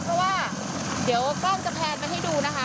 เพราะว่าเดี๋ยวกล้องจะแพนไปให้ดูนะคะ